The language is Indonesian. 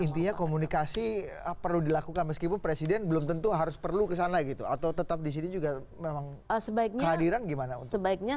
intinya komunikasi perlu dilakukan meskipun presiden belum tentu harus perlu kesana gitu atau tetap disini juga memang kehadiran gimana